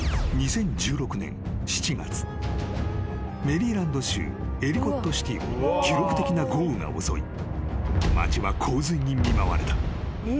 ［メリーランド州エリコットシティを記録的な豪雨が襲い町は洪水に見舞われた］